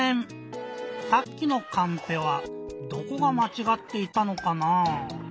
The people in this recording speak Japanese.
さっきのカンペはどこがまちがっていたのかな？